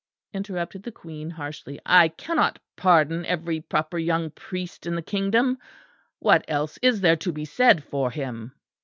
interrupted the Queen harshly. "I cannot pardon every proper young priest in the kingdom. What else is there to be said for him?"